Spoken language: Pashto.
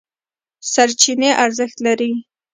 سرچینې ارزښت لري.